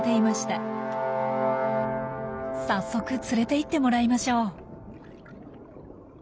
早速連れて行ってもらいましょう。